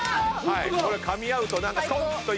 これかみ合うと。